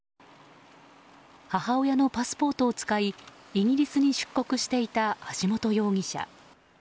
母親のパスポートを使いイギリスに出国していた橋本容疑者。